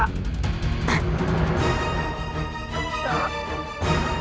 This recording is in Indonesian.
aku tidak bisa berubah